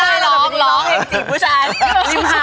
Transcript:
เออดูแบบ